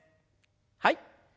はい。